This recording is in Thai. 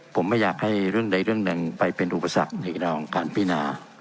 ผมไม่อยากให้เรื่องใดเรื่องหนึ่งไปเป็นอุปสรรคในเรื่องของการพินา